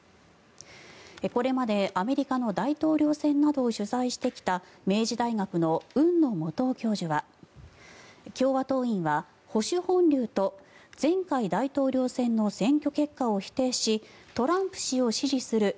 これまでアメリカの大統領選などを取材してきた明治大学の海野素央教授は共和党員は保守本流と前回大統領選の選挙結果を否定しトランプ氏を支持するＭＡＧＡ